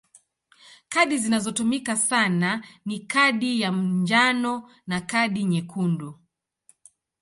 Kadi zinazotumika sana ni kadi ya njano na kadi nyekundu.